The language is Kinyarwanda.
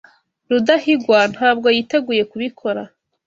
Rudahigwa ntabwo yiteguye kubikora.